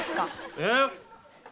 えっ！